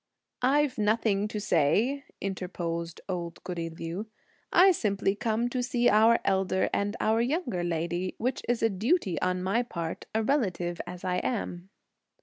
"I've nothing to say," interposed old goody Liu. "I simply come to see our elder and our younger lady, which is a duty on my part, a relative as I am."